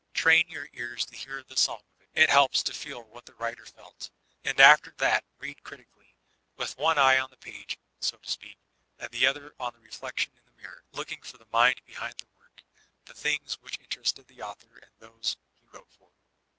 Train your ears to hear the song of it; it helps to feel what the writer felt And after that read critically, with one eye on the page, so to speak, and the other on the reflection in the mirror, looking for the mind behind the woric, the things which interested the author and those he wrote for.